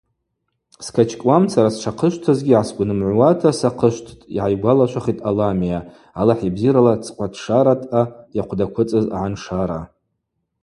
Скачкӏуамцара сшахъышвтызгьи гӏасгвнымгӏвуата сахъышвттӏ, – йгӏайгвалашвахитӏ Аламиа Алахӏ йбзирала цӏхъватшарадъа йахъвдаквыцӏыз агӏаншара.